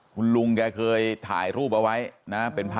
คุณลุงแกเคยถ่ายรูปเอาไว้นะฮะเป็นพระ